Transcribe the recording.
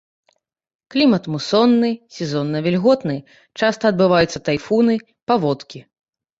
Клімат мусонны, сезонна-вільготны, часта адбываюцца тайфуны, паводкі.